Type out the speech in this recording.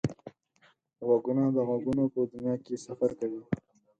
غوږونه د غږونو په دنیا کې سفر کوي